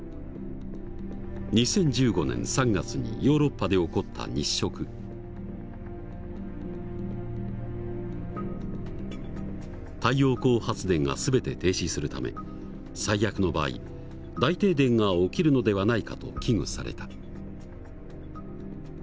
２０１５年３月にヨーロッパで起こった太陽光発電が全て停止するため最悪の場合大停電が起きるのではないかと危惧された。